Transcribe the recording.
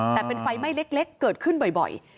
แต่เป็นไฟไหม้เล็กเกิดขึ้นบ่อย